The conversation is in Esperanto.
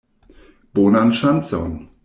Bonan ŝancon!